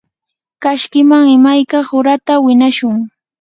kashkiman imayka qurata winashun.